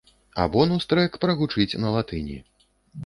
А бонус трэк прагучыць на латыні.